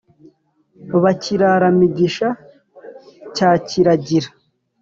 ba kirara migisha cya kiragira.